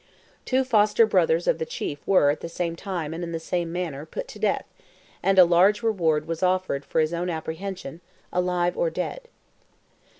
Two foster brothers of the chief were, at the same time and in the same manner, put to death, and a large reward was offered for his own apprehension, alive or dead.